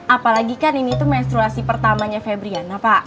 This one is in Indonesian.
apalagi kan ini menstruasi pertamanya pebriana